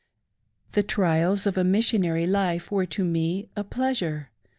The trials of a Missionary life were to me a pleasure.